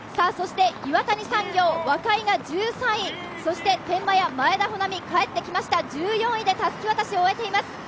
岩谷産業、若井が１３位、天満屋・前田穂南、帰ってきました、１４位でたすき渡しを終えています。